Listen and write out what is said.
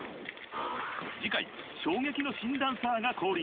［次回衝撃の新ダンサーが降臨］